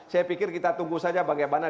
saya pikir kita tunggu saja bagaimana